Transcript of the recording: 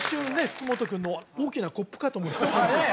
福本君の大きなコップかと思いました